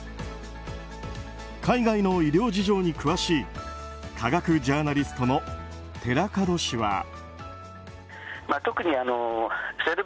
海外の医療事情に詳しい科学ジャーナリストの寺門氏は。